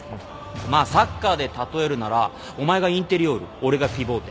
まあサッカーで例えるならお前がインテリオール俺がピボーテ。